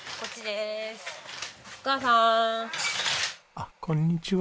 あっこんにちは。